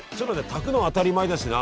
炊くの当たり前だしな。